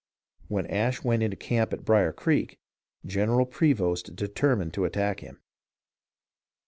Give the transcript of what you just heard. When Ashe went into camp at Brier Creek, General Prevost determined to attack him.